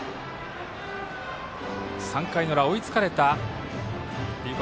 ３回裏、追いつかれた龍谷